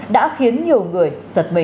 đã khiến nhiều người giật mỉ